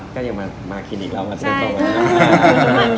เขาก็อย่างมาคลีนิคเขามาเตรียมตั๋ว